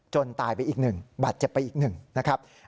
จนตายไปอีกหนึ่งบาดเจ็บไปอีกหนึ่งนะครับ